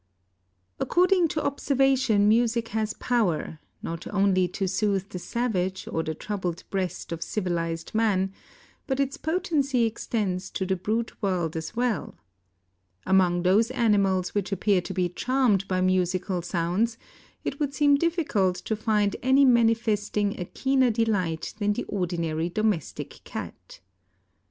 According to observation, music has power, not only to soothe the savage or the troubled breast of civilized man, but its potency extends to the brute world as well. Among those animals which appear to be charmed by musical sounds, it would seem difficult to find any manifesting a keener delight than the ordinary domestic cat.